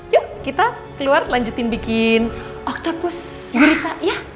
yuk kita keluar lanjutin bikin oktapus gurita ya